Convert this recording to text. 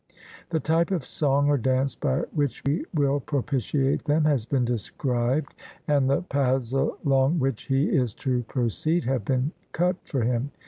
The type of song or dance by which he will propitiate them has been described, and the paths along which he is to proceed have been cut for him.